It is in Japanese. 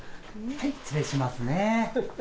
はい失礼しますね。